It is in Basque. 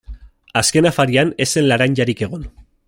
Azken afarian ez zen laranjarik egon.